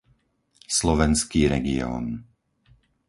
slovenský región